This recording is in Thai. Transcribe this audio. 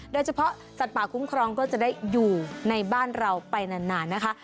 สัตว์ป่าคุ้มครองก็จะได้อยู่ในบ้านเราไปนานนะคะ